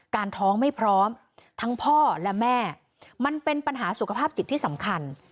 ท้องไม่พร้อมทั้งพ่อและแม่มันเป็นปัญหาสุขภาพจิตที่สำคัญ